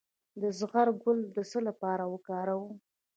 د زغر ګل د څه لپاره وکاروم؟